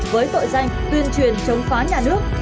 với tội danh tuyên truyền chống phá nhà nước